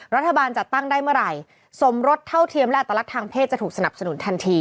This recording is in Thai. รัฐบาลจัดตั้งได้เมื่อไหร่สมรสเท่าเทียมและอัตลักษณ์ทางเพศจะถูกสนับสนุนทันที